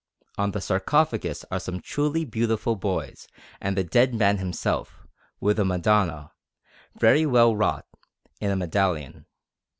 On the sarcophagus are some truly very beautiful boys and the dead man himself, with a Madonna, very well wrought, in a medallion.